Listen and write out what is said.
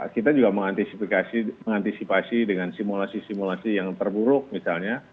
kita juga mengantisipasi dengan simulasi simulasi yang terburuk misalnya